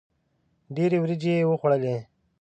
ډېري وریجي یې وخوړلې.